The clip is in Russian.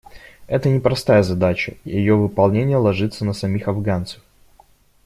Это непростая задача, и ее выполнение ложится на самих афганцев.